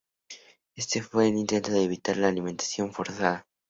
Este fue un intento de evitar la alimentación forzada.